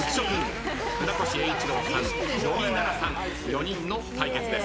４人の対決です。